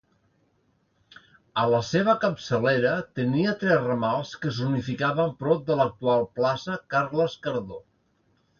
A la seva capçalera tenia tres ramals que s'unificaven prop de l'actual plaça Carles Cardó.